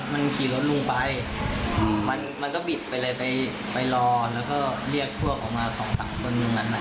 มันขี่รถลุงไปมันก็บิดไปเลยไปรอแล้วก็เรียกพวกออกมาสองสามคนตรงนั้น